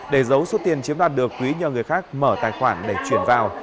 để giấu số tiền chiếm đoạt được quý nhờ người khác mở tài khoản để chuyển vào